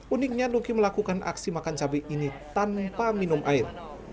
uniknya luki melakukan aksi makan cabai ini tanpa minum air